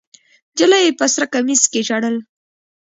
نجلۍ په سره کمیس کې ژړل.